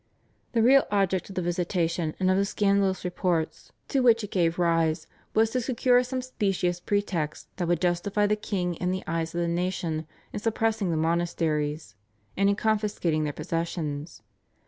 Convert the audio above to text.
The real object of the visitation and of the scandalous reports to which it gave rise, was to secure some specious pretext that would justify the king in the eyes of the nation in suppressing the monasteries and in confiscating their possessions.